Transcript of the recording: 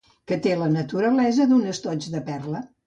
Que té la naturalesa d'un estoig de perla.